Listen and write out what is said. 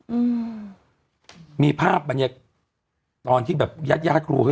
อืมมีภาพอันเนี้ยตอนที่แบบยาดยาดรู้เฮ้ย